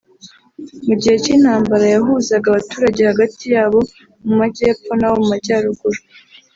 Mu gihe cy’intambara yahuzaga abaturage hagati y’abo mu majyepfon’abo mu majyaruguru